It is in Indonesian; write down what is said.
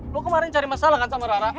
lo kemarin cari masalah kan sama rara